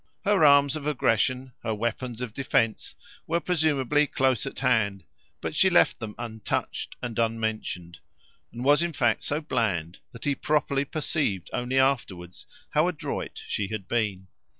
Her arms of aggression, her weapons of defence, were presumably close at hand, but she left them untouched and unmentioned, and was in fact so bland that he properly perceived only afterwards how adroit she had been.